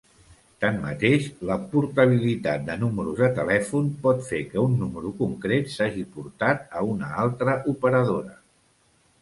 Tanmateix, la portabilitat de números de telèfon pot fer que un número concret s'hagi "portat" a una altra operadora.